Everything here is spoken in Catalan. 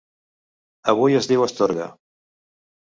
Avui es diu Astorga.